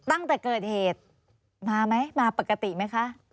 ตั้งแต่เกิดเหตุมาไหมมาปกติไหมคะ